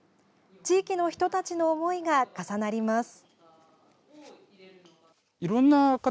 地域の人たちの思いが重なります。